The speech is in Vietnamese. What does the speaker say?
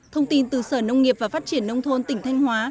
thông tin từ sở nông nghiệp và phát triển nông thôn tỉnh thanh hóa